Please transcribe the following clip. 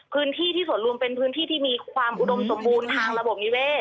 พื้นที่ที่ส่วนรวมเป็นพื้นที่ที่มีความอุดมสมบูรณ์ทางระบบนิเวศ